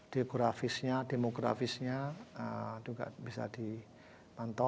demografisnya juga bisa dimantau